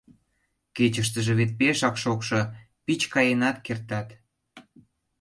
Кечыштыже вет пешак шокшо: пич каенат кертат.